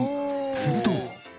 すると。